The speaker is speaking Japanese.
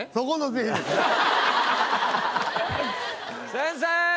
先生！